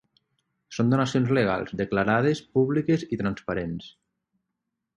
Són donacions legals, declarades, públiques i transparents.